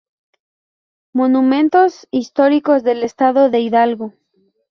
Monumentos históricos del Estado de Hidalgo".